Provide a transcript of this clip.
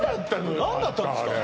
あれ何だったんですか？